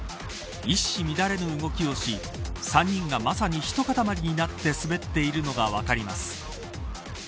一糸乱れぬ動きをし３人がまさにひとかたまりになって滑っているのが分かります。